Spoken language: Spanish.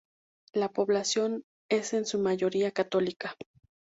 La población es en su mayoría católica.